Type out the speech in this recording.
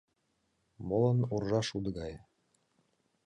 Молын уржа шудо гае